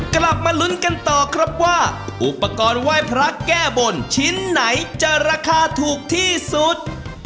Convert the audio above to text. กลับมาลุ้นกันต่อครับว่าอุปกรณ์ไหว้พระแก้บนชิ้นไหนจะราคาถูกที่สุด